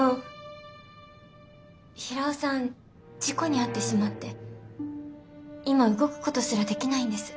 事故に遭ってしまって今動くことすらできないんです。